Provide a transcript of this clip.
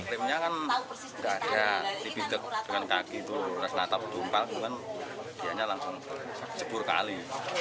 krimnya kan tidak ada di bidik dengan kaki itu rasnatak tumpal kemudian dia langsung jepur kali